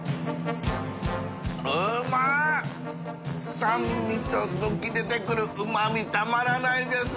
淵船礇鵝酸味と浮き出てくるうま味たまらないです。